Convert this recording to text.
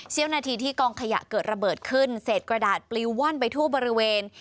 นาทีที่กองขยะเกิดระเบิดขึ้นเศษกระดาษปลิวว่อนไปทั่วบริเวณ